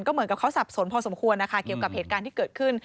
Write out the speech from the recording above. เหมือนกับเขาสับสนพอสมควรนะคะเกี่ยวกับเหตุการณ์ที่เกิดขึ้น